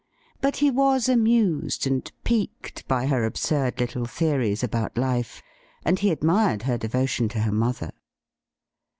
But he was amused and piqued by her absurd little theories about life, and he admired her devotion to her mother.